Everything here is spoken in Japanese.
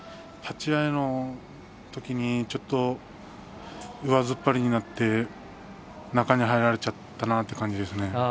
立ち合いのときにちょっと上突っ張りになって中に入られちゃったなという感じですね。